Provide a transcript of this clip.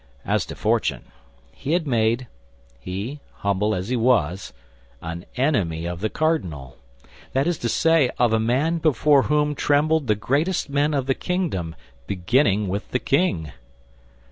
As to fortune, he had made—he, humble as he was—an enemy of the cardinal; that is to say, of a man before whom trembled the greatest men of the kingdom, beginning with the king.